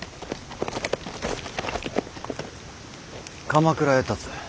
鎌倉へたつ。